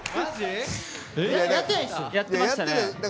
やってました？